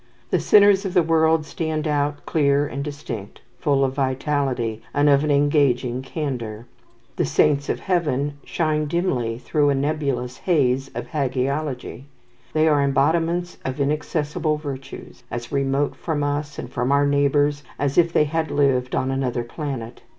The sinners of the world stand out clear and distinct, full of vitality, and of an engaging candour. The saints of Heaven shine dimly through a nebulous haze of hagiology. They are embodiments of inaccessible virtues, as remote from us and from our neighbours as if they had lived on another planet.